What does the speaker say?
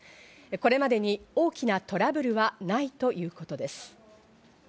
これまでに大きなトラブルはないということです。